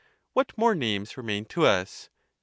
What more names remain to us? Her.